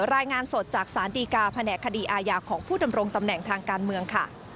รายงานสดจากสารดีกาแผนกคดีอาญาของผู้ดำรงตำแหน่งทางการเมืองค่ะ